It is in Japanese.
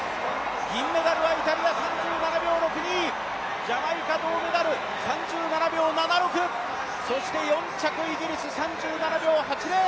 銀メダルはイタリア、３７秒６２、ジャマイカ銅メダル３７秒７６そして４着イギリス３７秒８０